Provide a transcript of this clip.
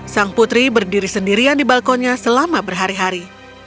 sang putri berdiri sendirian di balkonnya selama berhari hari